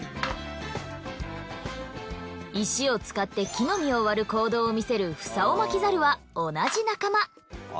石を使って木の実を割る行動を見せるフサオマキザルは同じ仲間。